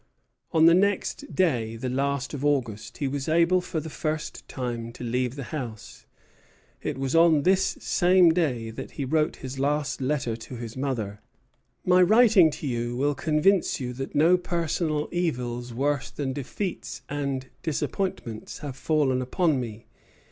On the next day, the last of August, he was able for the first time to leave the house. It was on this same day that he wrote his last letter to his mother: "My writing to you will convince you that no personal evils worse than defeats and disappointments have fallen upon me.